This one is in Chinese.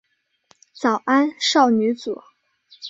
早安少女组。